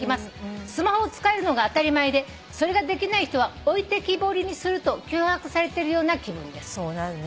「スマホを使えるのが当たり前でそれができない人は置いてきぼりにすると脅迫されているような気分です」